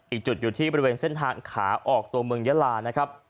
อีกจุดอยู่ที่บริเวณเส้นทางขาออกตัวเมืองยาลานะครับ